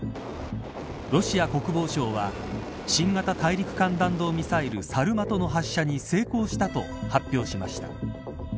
ロシア国防省は新型大陸間弾道ミサイルサルマトの発射に成功したと発表しました。